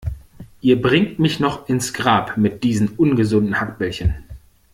Ihr bringt mich noch ins Grab mit diesen ungesunden Hackbällchen.